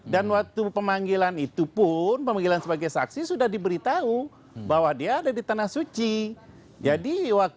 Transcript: dan waktu pemanggilan itu pun pemanggilan sebagai saksi sudah diberitahu bahwa dia ada di tanah suci